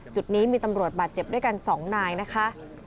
จุดนี้มีตำรวจบาดเจ็บด้วยกัน๒นายนะคะ